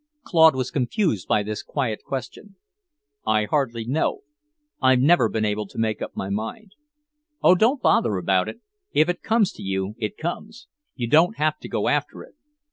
Claude was confused by this quiet question. "I hardly know. I've never been able to make up my mind." "Oh, don't bother about it! If it comes to you, it comes. You don't have to go after it.